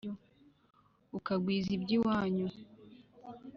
ukagwiza iby’iwanyu